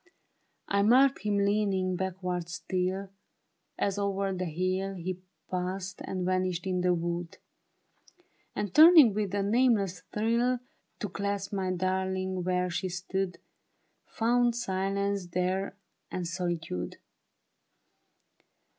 I marked him leaning backward still. As o'er the hill He passed and vanished in the wood ; And turning with a nameless thrill To clasp my darling where she stood. Found silence there and solitude.